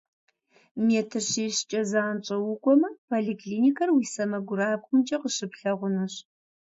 Метр щищкӏэ занщӏэу укӏуэмэ, поликлиникэр уи сэмэгурабгъумкӏэ къыщыплъагъунущ.